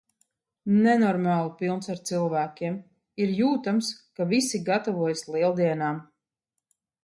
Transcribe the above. Nenormāli pilns ar cilvēkiem – ir jūtams, ka visi gatavojas Lieldienām.